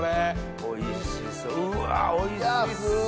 おいしそううわおいしそう！